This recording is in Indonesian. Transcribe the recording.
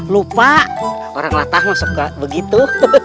lupa orang latah masa begitu